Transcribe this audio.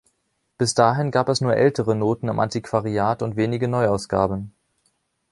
Bis dahin gab es nur ältere Noten im Antiquariat und wenige Neuausgaben.